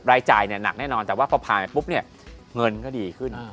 รายจ่ายเนี่ยหนักแน่นอนแต่ว่าพอผ่านไปปุ๊บเนี่ยเงินก็ดีขึ้น